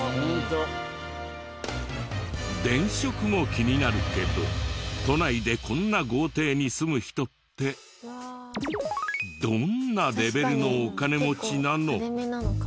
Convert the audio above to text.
電飾も気になるけど都内でこんな豪邸に住む人ってどんなレベルのお金持ちなの？